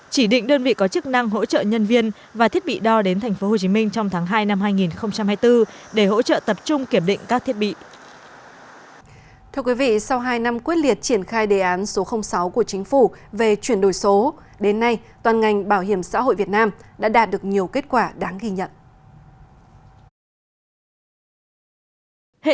chỉ định đơn vị có chức năng hỗ trợ nhân viên và thiết bị đo đến tp hcm trong tháng hai năm hai nghìn hai mươi bốn để hỗ trợ tập trung kiểm định các thiết bị